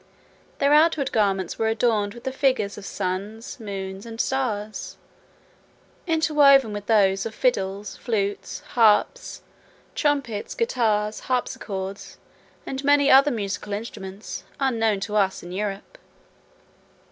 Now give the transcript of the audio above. Their outward garments were adorned with the figures of suns, moons, and stars; interwoven with those of fiddles, flutes, harps, trumpets, guitars, harpsichords, and many other instruments of music, unknown to us in Europe.